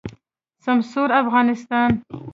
سمسور افغانستان